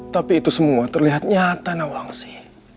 tapi itu semua terlihat nyata nawangsi